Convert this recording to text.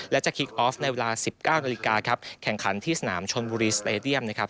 และจะคลิกออฟในเวลา๑๙นาฬิกาครับแข่งขันที่สนามชนบุรีสเตดียมนะครับ